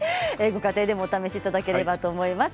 ご家庭でもお試しいただければと思います。